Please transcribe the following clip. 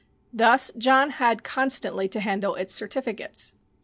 Thus John had constantly to handle its certificates.